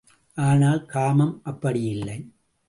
ஆனால், காமம் அப்படியில்லை.